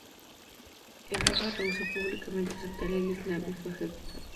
El raja rehusó públicamente aceptar el islam y fue ejecutado.